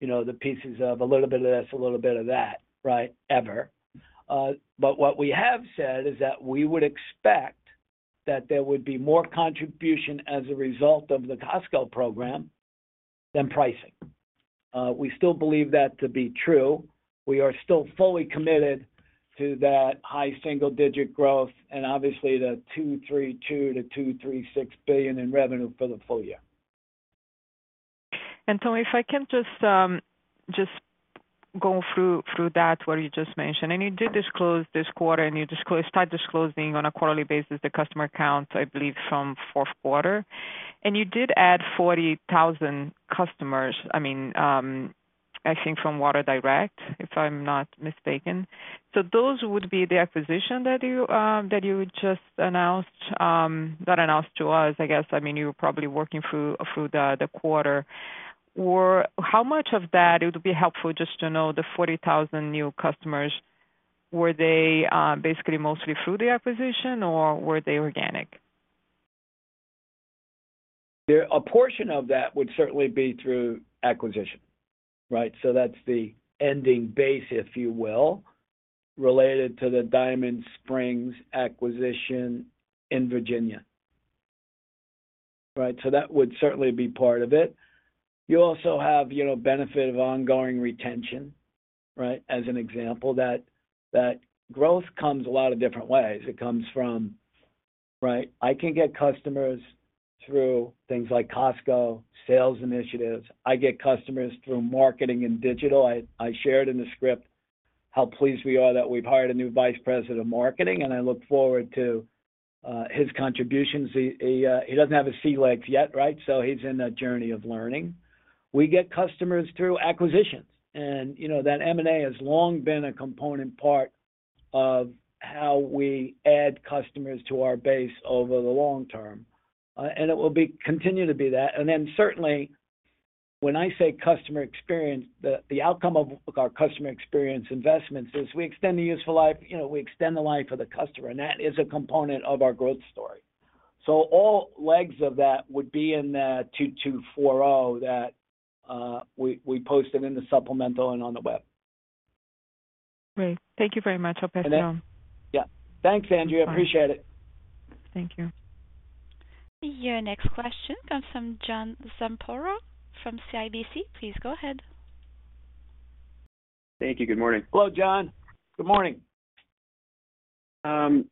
[SPEAKER 3] you know, the pieces of a little bit of this, a little bit of that, right? Ever. What we have said is that we would expect that there would be more contribution as a result of the Costco program than pricing. We still believe that to be true. We are still fully committed to that high single-digit growth, and obviously, the $232 billion-$236 billion in revenue for the full year.
[SPEAKER 7] Tom, if I can just go through, through that, what you just mentioned, and you did disclose this quarter, and you start disclosing on a quarterly basis the customer counts, I believe, from fourth quarter. You did add 40,000 customers, I mean, I think from Water Direct, if I'm not mistaken. Those would be the acquisition that you, that you just announced, that announced to us, I guess. I mean, you were probably working through, through the, the quarter. How much of that it would be helpful just to know the 40,000 new customers, were they basically mostly through the acquisition, or were they organic?
[SPEAKER 3] Yeah, a portion of that would certainly be through acquisition, right? That's the ending base, if you will, related to the Diamond Springs acquisition in Virginia. Right? That would certainly be part of it. You also have, you know, benefit of ongoing retention, right? As an example, that, that growth comes a lot of different ways. It comes from. Right, I can get customers through things like Costco, sales initiatives. I get customers through marketing and digital. I, I shared in the script how pleased we are that we've hired a new vice president of marketing, and I look forward to his contributions. He, he doesn't have a sea legs yet, right? He's in the journey of learning. We get customers through acquisitions, and, you know, that M&A has long been a component part of how we add customers to our base over the long term. It will continue to be that. Then certainly, when I say customer experience, the, the outcome of, of our customer experience investments is we extend the useful life, you know, we extend the life of the customer, and that is a component of our growth story. All legs of that would be in that 2,240 that we, we posted in the supplemental and on the web.
[SPEAKER 7] Great. Thank you very much, I'll pass it on.
[SPEAKER 3] Thanks, Andrea. I appreciate it.
[SPEAKER 7] Thank you.
[SPEAKER 1] Your next question comes from John Zamparo from CIBC. Please go ahead.
[SPEAKER 8] Thank you. Good morning.
[SPEAKER 3] Hello, John. Good morning.
[SPEAKER 8] I,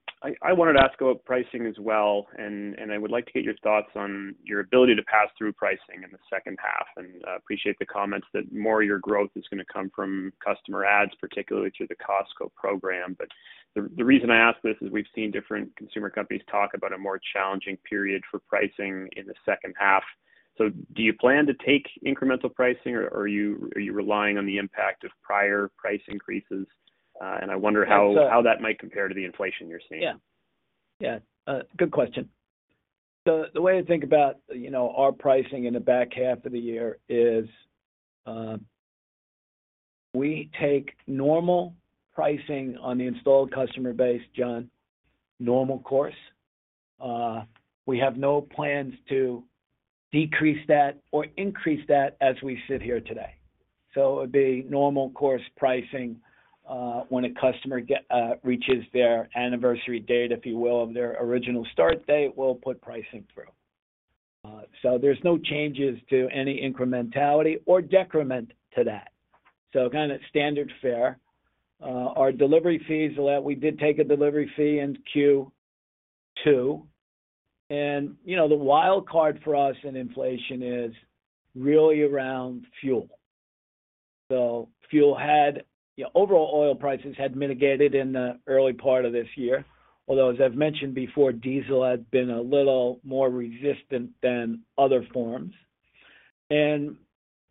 [SPEAKER 8] I wanted to ask about pricing as well, and I would like to get your thoughts on your ability to pass through pricing in the second half, and appreciate the comments that more of your growth is gonna come from customer ads, particularly through the Costco program. The, the reason I ask this is we've seen different consumer companies talk about a more challenging period for pricing in the second half. Do you plan to take incremental pricing, or are you relying on the impact of prior price increases? I wonder how, How that might compare to the inflation you're seeing?
[SPEAKER 3] Yeah. Yeah, good question. The way to think about, you know, our pricing in the back half of the year is, we take normal pricing on the installed customer base, John, normal course. We have no plans to decrease that or increase that as we sit here today. It would be normal course pricing, when a customer reaches their anniversary date, if you will, of their original start date, we'll put pricing through. There's no changes to any incrementality or decrement to that. Kind of standard fare. Our delivery fees, well, we did take a delivery fee in Q2. You know, the wild card for us in inflation is really around fuel. Fuel had. Yeah, overall oil prices had mitigated in the early part of this year, although, as I've mentioned before, diesel had been a little more resistant than other forms.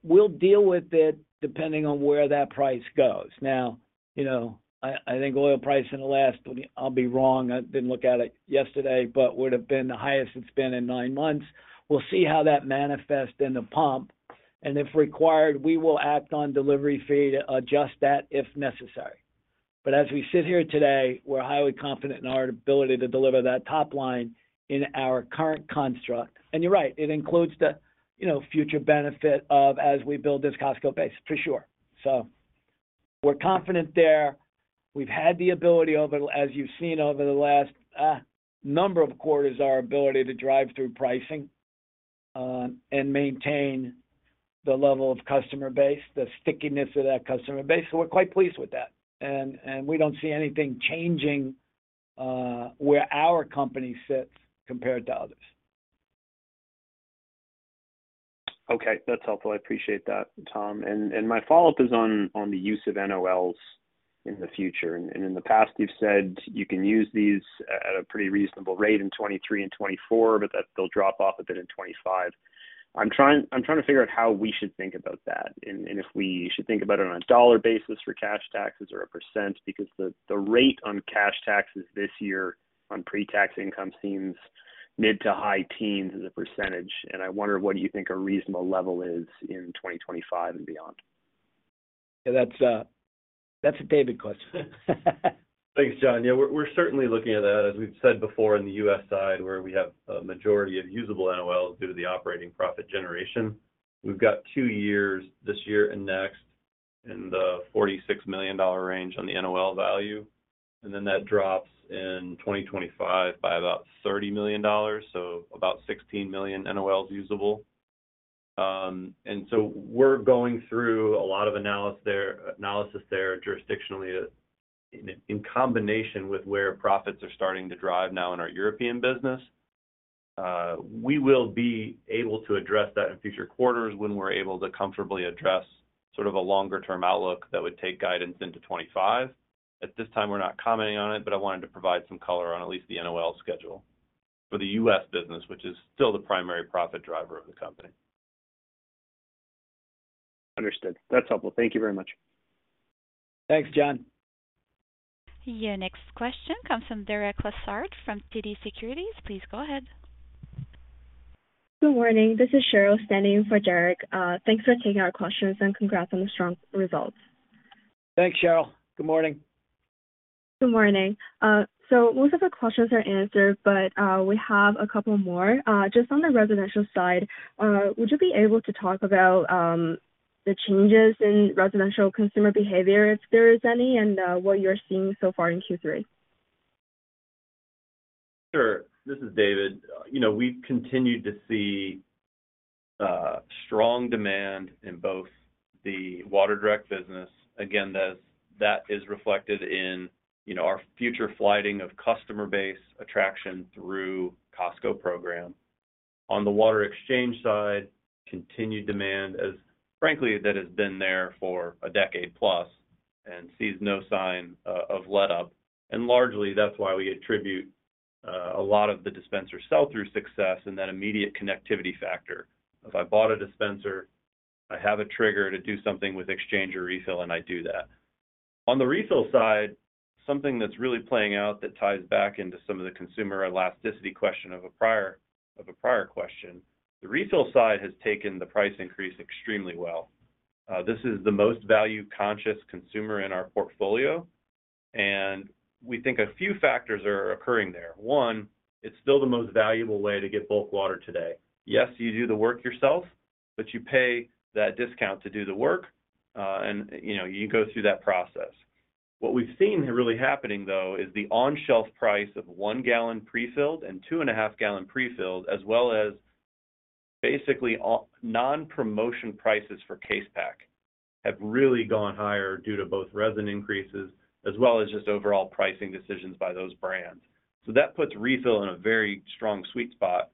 [SPEAKER 3] We'll deal with it depending on where that price goes. Now, you know, I, I think oil price in the last, I'll be wrong, I didn't look at it yesterday, but would have been the highest it's been in 9 months. We'll see how that manifests in the pump, and if required, we will act on delivery fee to adjust that if necessary. As we sit here today, we're highly confident in our ability to deliver that top line in our current construct. You're right, it includes the, you know, future benefit of as we build this Costco base, for sure. We're confident there. We've had the ability over, as you've seen over the last, number of quarters, our ability to drive through pricing, and maintain the level of customer base, the stickiness of that customer base. We're quite pleased with that, and, and we don't see anything changing, where our company sits compared to others.
[SPEAKER 8] Okay, that's helpful. I appreciate that, Tom. My follow-up is on the use of NOLs in the future. In the past, you've said you can use these at a pretty reasonable rate in 2023 and 2024, but that they'll drop off a bit in 2025. I'm trying to figure out how we should think about that, and if we should think about it on a $ basis for cash taxes or a %, because the rate on cash taxes this year on pre-tax income seems mid to high teens as a %, and I wonder what you think a reasonable level is in 2025 and beyond.
[SPEAKER 3] Yeah, that's, that's a David question.
[SPEAKER 4] Thanks, John. Yeah, we're, we're certainly looking at that. As we've said before, in the US side, where we have a majority of usable NOLs due to the operating profit generation, we've got two years, this year and next in the $46 million range on the NOL value, and then that drops in 2025 by about $30 million, so about 16 million NOLs usable. We're going through a lot of analysis there, analysis there jurisdictionally, in, in combination with where profits are starting to drive now in our European business. We will be able to address that in future quarters when we're able to comfortably address sort of a longer-term outlook that would take guidance into 2025. At this time, we're not commenting on it, but I wanted to provide some color on at least the NOL schedule for the U.S. business, which is still the primary profit driver of the company.
[SPEAKER 8] Understood. That's helpful. Thank you very much.
[SPEAKER 3] Thanks, John.
[SPEAKER 1] Your next question comes from Derek Lessard, from TD Securities. Please go ahead.
[SPEAKER 9] Good morning. This is Cheryl standing in for Derek. Thanks for taking our questions, and congrats on the strong results.
[SPEAKER 3] Thanks, Cheryl. Good morning.
[SPEAKER 9] Good morning. Most of the questions are answered, but we have a couple more. Just on the residential side, would you be able to talk about the changes in residential consumer behavior, if there is any, and what you're seeing so far in Q3?
[SPEAKER 4] Sure. This is David. You know, we've continued to see strong demand in both the Water Direct business. Again, that, that is reflected in, you know, our future flighting of customer base attraction through Costco program. On the water exchange side, continued demand as, frankly, that has been there for a decade plus and sees no sign of letup. Largely, that's why we attribute a lot of the dispenser sell-through success and that immediate connectivity factor. If I bought a dispenser, I have a trigger to do something with exchange or refill, and I do that. On the refill side, something that's really playing out that ties back into some of the consumer elasticity question of a prior, of a prior question, the refill side has taken the price increase extremely well. This is the most value-conscious consumer in our portfolio, and we think a few factors are occurring there. One, it's still the most valuable way to get bulk water today. Yes, you do the work yourself, but you pay that discount to do the work, and, you know, you go through that process. What we've seen really happening, though, is the on-shelf price of 1-gallon pre-filled and 2.5-gallon pre-filled, as well as basically all non-promotion prices for case pack, have really gone higher due to both resin increases, as well as just overall pricing decisions by those brands. So that puts refill in a very strong sweet spot,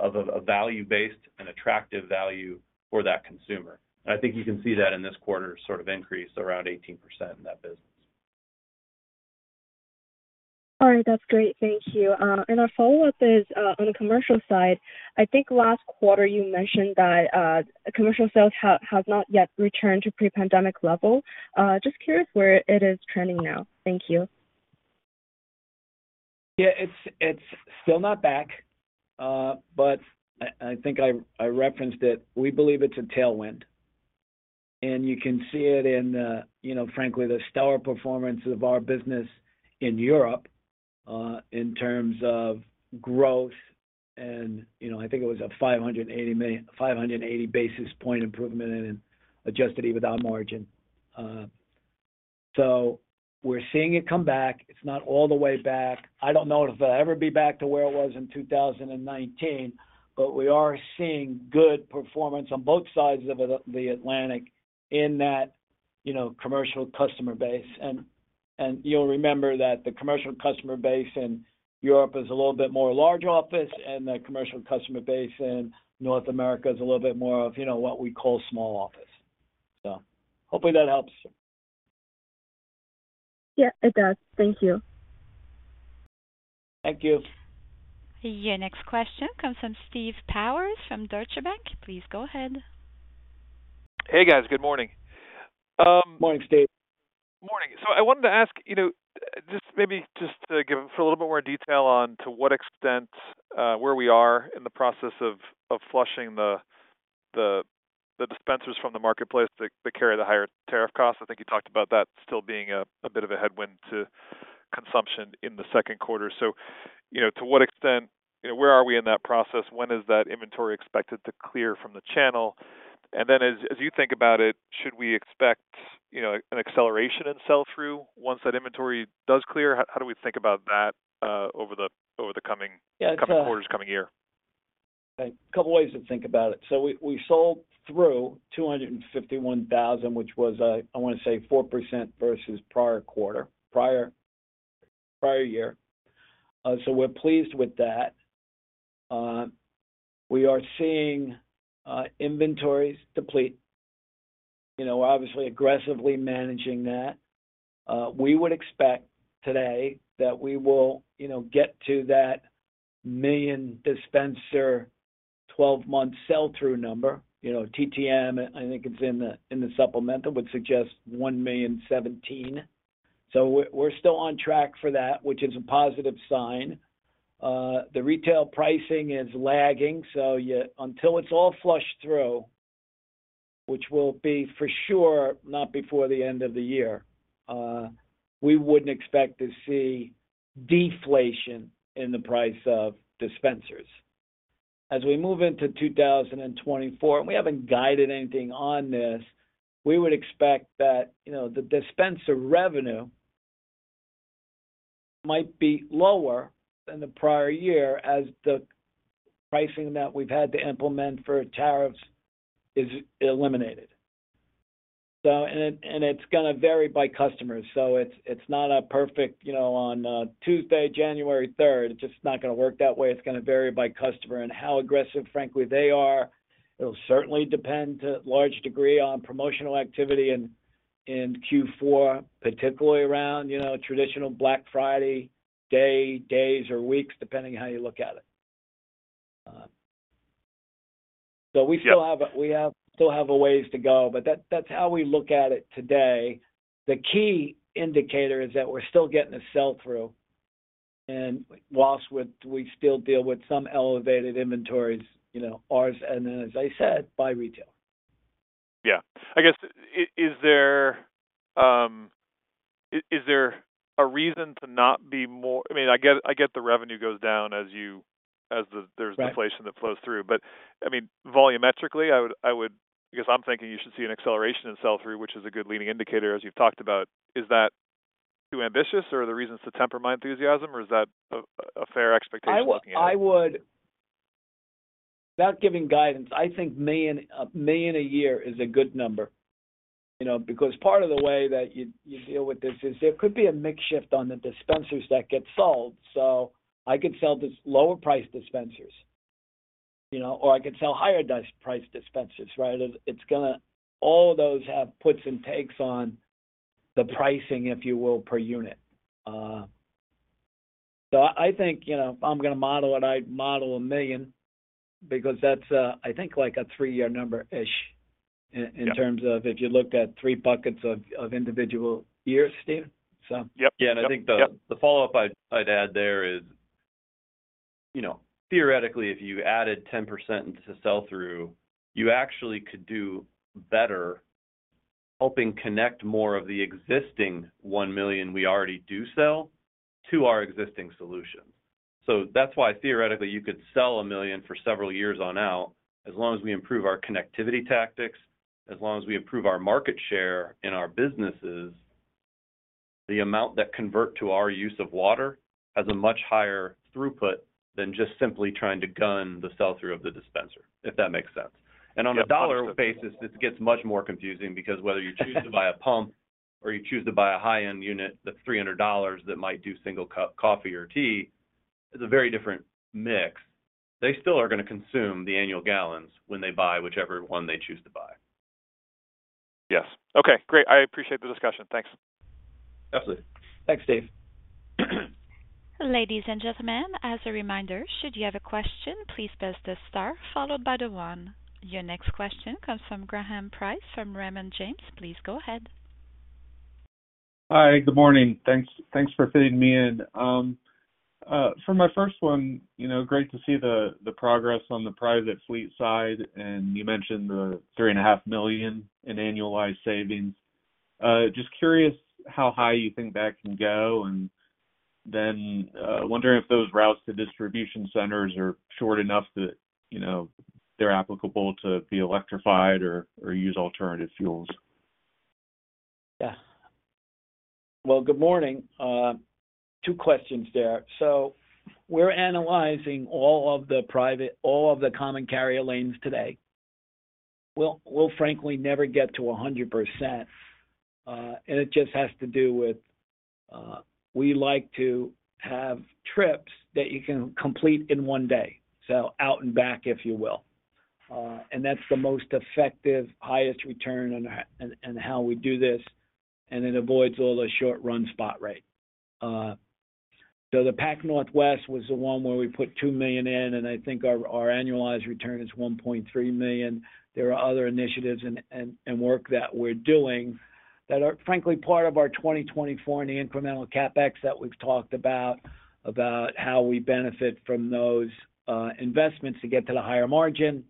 [SPEAKER 4] of a, a value-based and attractive value for that consumer. I think you can see that in this quarter, sort of increase around 18% in that business.
[SPEAKER 9] All right. That's great. Thank you. Our follow-up is on the commercial side. I think last quarter you mentioned that commercial sales have, has not yet returned to pre-pandemic level. Just curious where it is trending now. Thank you.
[SPEAKER 3] Yeah, it's, it's still not back, but I, I think I, I referenced it. We believe it's a tailwind, and you can see it in, you know, frankly, the stellar performance of our business in Europe, in terms of growth and, you know, I think it was a 580 basis point improvement in adjusted EBITDA margin. We're seeing it come back. It's not all the way back. I don't know if it'll ever be back to where it was in 2019, but we are seeing good performance on both sides of the, the Atlantic in that, you know, commercial customer base. You'll remember that the commercial customer base in Europe is a little bit more large office, and the commercial customer base in North America is a little bit more of, you know, what we call small office. Hopefully that helps.
[SPEAKER 9] Yeah, it does. Thank you.
[SPEAKER 3] Thank you.
[SPEAKER 1] Your next question comes from Steve Powers from Deutsche Bank. Please go ahead.
[SPEAKER 10] Hey, guys. Good morning.
[SPEAKER 3] Morning, Steve.
[SPEAKER 10] Morning. I wanted to ask, you know, just maybe just to give a little bit more detail on to what extent, where we are in the process of, of flushing the, the, the dispensers from the marketplace that, that carry the higher tariff cost. I think you talked about that still being a, a bit of a headwind to consumption in the second quarter. You know, to what extent, you know, where are we in that process? When is that inventory expected to clear from the channel? As, as you think about it, should we expect, you know, an acceleration in sell-through once that inventory does clear? How, how do we think about that, over the, over the coming,
[SPEAKER 3] Yeah, it's.
[SPEAKER 10] coming quarters, coming year?
[SPEAKER 3] A couple ways to think about it. We, we sold through 251,000, which was, I want to say 4% versus prior quarter, prior, prior year. We're pleased with that. We are seeing inventories deplete, you know, obviously aggressively managing that. We would expect today that we will, you know, get to that 1 million dispenser, 12-month sell-through number. You know, TTM, I think it's in the, in the supplemental, would suggest 1,017,000. We're, we're still on track for that, which is a positive sign. The retail pricing is lagging, so yet, until it's all flushed through, which will be for sure, not before the end of the year, we wouldn't expect to see deflation in the price of dispensers. as we move into 2024, we haven't guided anything on this, we would expect that, you know, the dispenser revenue might be lower than the prior year as the pricing that we've had to implement for tariffs is eliminated. it, and it's gonna vary by customer. it's, it's not a perfect, you know, on Tuesday, January 3rd, it's just not gonna work that way. It's gonna vary by customer and how aggressive, frankly, they are. It'll certainly depend, to a large degree, on promotional activity in, in Q4, particularly around, you know, traditional Black Friday day, days, or weeks, depending on how you look at it. we still have, So we still have a ways to go, but that's how we look at it today. The key indicator is that we're still getting a sell-through, and while we still deal with some elevated inventories, you know, ours, and then, as I said, by retail.
[SPEAKER 10] Yeah. I guess, is there, is there a reason to not be more, I mean, I get, I get the revenue goes down as you. There's deflation that flows through. I mean, volumetrically, I guess I'm thinking you should see an acceleration in sell-through, which is a good leading indicator, as you've talked about. Is that too ambitious, or are there reasons to temper my enthusiasm, or is that a, a fair expectation looking at it?
[SPEAKER 3] I would. Without giving guidance, I think $1 million, a million a year is a good number. You know, because part of the way that you, you deal with this is there could be a mix shift on the dispensers that get sold. I could sell this lower price dispensers, you know, or I could sell higher price dispensers, right? It's gonna. All of those have puts and takes on the pricing, if you will, per unit. I think, you know, if I'm gonna model it, I'd model a million because that's, I think, like a three-year number-ish. in, in terms of if you looked at three buckets of, of individual years, Steve. So.
[SPEAKER 10] Yep.
[SPEAKER 4] Yeah, I think the-
[SPEAKER 10] Yep
[SPEAKER 4] .the follow-up I'd, I'd add there is, you know, theoretically, if you added 10% into sell-through, you actually could do better helping connect more of the existing 1 million we already do sell to our existing solutions. That's why, theoretically, you could sell 1 million for several years on out, as long as we improve our connectivity tactics, as long as we improve our market share in our businesses, the amount that convert to our use of water has a much higher throughput than just simply trying to gun the sell-through of the dispenser, if that makes sense. On a dollar basis, this gets much more confusing because whether you choose to buy a pump or you choose to buy a high-end unit that's $300 that might do single cup coffee or tea, it's a very different mix. They still are gonna consume the annual gallons when they buy whichever one they choose to buy.
[SPEAKER 10] Yes. Okay, great. I appreciate the discussion. Thanks.
[SPEAKER 4] Absolutely.
[SPEAKER 3] Thanks, David.
[SPEAKER 1] Ladies and gentlemen, as a reminder, should you have a question, please press the star followed by the one. Your next question comes from Graham Price, from Raymond James. Please go ahead.
[SPEAKER 11] Hi, good morning. Thanks, thanks for fitting me in. For my first one, you know, great to see the, the progress on the private fleet side, and you mentioned the $3.5 million in annualized savings. Just curious how high you think that can go, and then, wondering if those routes to distribution centers are short enough that, you know, they're applicable to be electrified or, or use alternative fuels?
[SPEAKER 3] Yeah. Well, good morning. two questions there. We're analyzing all of the private, all of the common carrier lanes today. We'll, we'll frankly never get to a 100%, and it just has to do with, we like to have trips that you can complete in one day, so out and back, if you will. That's the most effective, highest return on our, on, on how we do this, and it avoids all the short-run spot rate. The Pac Northwest was the one where we put $2 million in, and I think our, our annualized return is $1.3 million. There are other initiatives and work that we're doing that are frankly part of our 2024 and the incremental CapEx that we've talked about how we benefit from those investments to get to the higher margin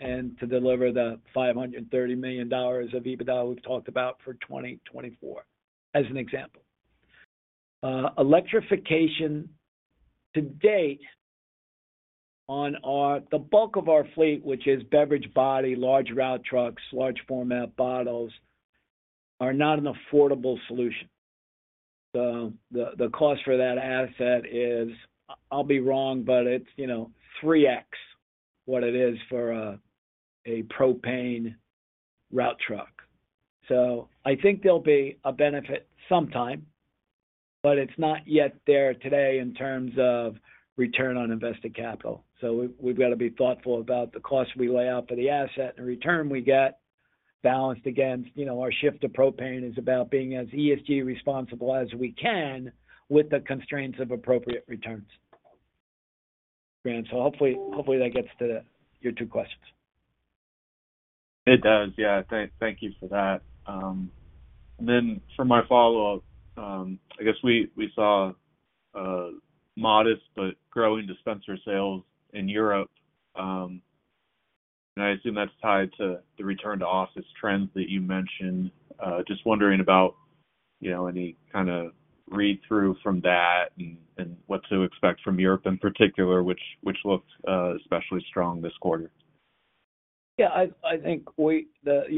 [SPEAKER 3] and to deliver the $530 million of EBITDA we've talked about for 2024, as an example. Electrification to date on our, the bulk of our fleet, which is beverage body, large route trucks, large format bottles, are not an affordable solution. The cost for that asset is, I'll be wrong, but it's, you know, 3x what it is for a propane route truck. I think there'll be a benefit sometime, but it's not yet there today in terms of return on invested capital. We've got to be thoughtful about the cost we lay out for the asset and return we get, balanced against, you know, our shift to propane is about being as ESG responsible as we can with the constraints of appropriate returns. Graham, hopefully, hopefully, that gets to your 2 questions.
[SPEAKER 11] It does. Yeah. Thank, thank you for that. Then for my follow-up, I guess we, we saw modest but growing dispenser sales in Europe, and I assume that's tied to the return to office trends that you mentioned. Just wondering about, you know, any kind of read-through from that and what to expect from Europe in particular, which, which looked especially strong this quarter?
[SPEAKER 3] Yeah, I, I think we,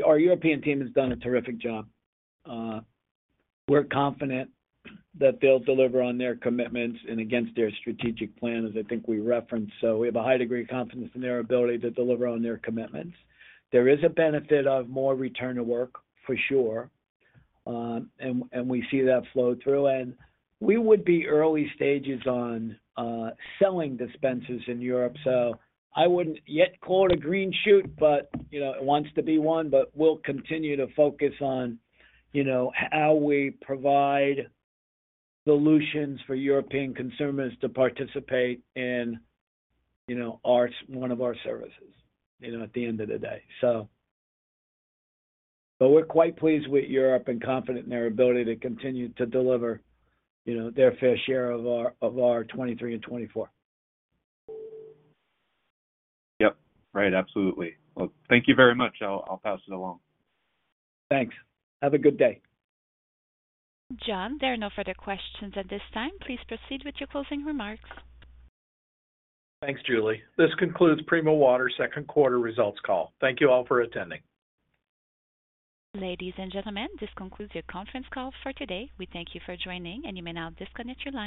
[SPEAKER 3] our European team has done a terrific job. We're confident that they'll deliver on their commitments and against their strategic plan, as I think we referenced. We have a high degree of confidence in their ability to deliver on their commitments. There is a benefit of more return to work, for sure, and, and we see that flow through. We would be early stages on, selling dispensers in Europe, so I wouldn't yet call it a green shoot, but, you know, it wants to be one. We'll continue to focus on, you know, how we provide solutions for European consumers to participate in, you know, our, one of our services, you know, at the end of the day. We're quite pleased with Europe and confident in their ability to continue to deliver, you know, their fair share of our, of our 2023 and 2024.
[SPEAKER 11] Yep. Right. Absolutely. Well, thank you very much. I'll, I'll pass it along.
[SPEAKER 3] Thanks. Have a good day.
[SPEAKER 1] John, there are no further questions at this time. Please proceed with your closing remarks.
[SPEAKER 2] Thanks, Julie. This concludes Primo Water's second-quarter results call. Thank you all for attending.
[SPEAKER 1] Ladies and gentlemen, this concludes your conference call for today. We thank you for joining, and you may now disconnect your lines.